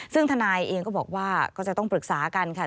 ซึ่งทนายเองก็บอกว่าก็จะต้องปรึกษากันค่ะ